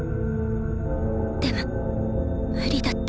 でも無理だった。